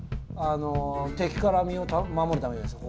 敵から身を守るためじゃないですか。